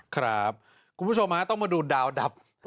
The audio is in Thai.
ครับคุณผู้ชมฮะต้องมาดูดาวดับ